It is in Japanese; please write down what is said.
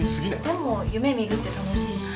でも夢見るって楽しいし。